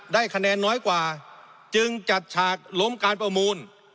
ได้คะแนนน้อยกว่าจึงจัดฉากล้มการประมูล